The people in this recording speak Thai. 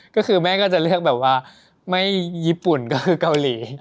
ก็คือแม่ก็จะเลือกแบบว่าไม่ญี่ปุ่นก็คือเกาหลี